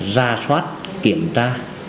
ra soát kiểm tra